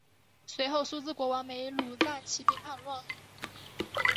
随后苏毗国王没庐赞起兵叛乱。